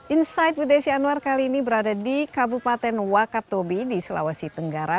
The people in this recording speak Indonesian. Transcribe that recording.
insight with desi anwar kali ini berada di kabupaten wakatobi di sulawesi tenggara